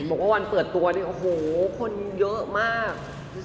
บอกว่าวันเปิดตัวเนี่ยโอ้โหคนเยอะมาก